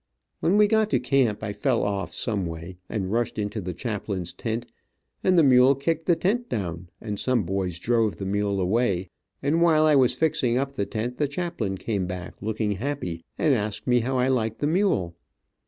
When we got to camp, I fell off some way, and rushed into the chaplain's tent, and the mule kicked the tent down, and some boys drove the mule away, and while I was fixing up the tent the chaplain came back looking happy, and asked me how I liked the mule.